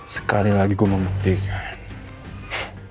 sekali lagi gue membuktikan